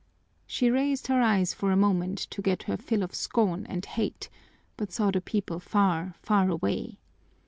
She raised her eyes for a moment to get her fill of scorn and hate, but saw the people far, far away.